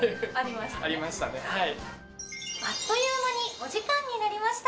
あっという間にお時間になりました。